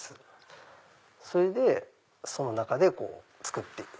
それでその中で作っていくうちに